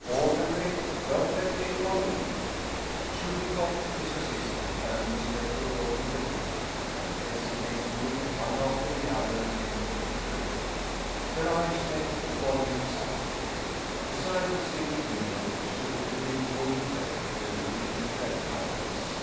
Orderly, don't let anyone in !" Chubikoff, his assistant, and the inspector opened the door, and hesitatingly, one after the other, entered the 159 Russian Mystery Stories room. Their eyes met the following sight : Beside the sin gle window stood the big wooden bed with a huge feather mattress.